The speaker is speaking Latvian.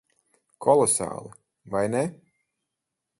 Kolosāli. Vai ne?